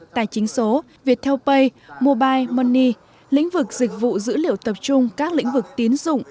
tài chính số viettel pay mobile money lĩnh vực dịch vụ dữ liệu tập trung các lĩnh vực tín dụng